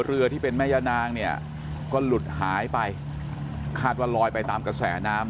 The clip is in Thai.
เรือที่เป็นแม่ย่านางเนี่ยก็หลุดหายไปคาดว่าลอยไปตามกระแสน้ำ